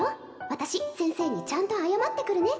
私先生にちゃんと謝ってくるね